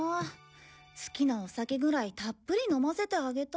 好きなお酒ぐらいたっぷり飲ませてあげたい。